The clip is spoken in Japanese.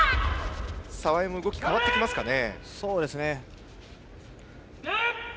澤江も動きが変わってきますかね。